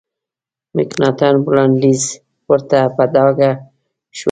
مکناټن وړاندیز ورته په ډاګه شو.